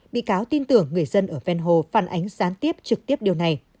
bị cáo tin tưởng người dân ở venho phản ánh gián tiếp trực tiếp điều này